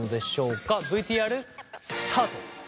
ＶＴＲスタート。